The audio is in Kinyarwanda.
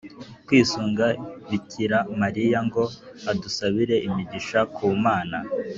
kwisunga bikira mariya, ngo adusabire imigisha kumana